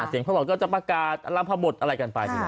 เสียงพระรอดก็จะประกาศอลัมภาบุตรอะไรกันไป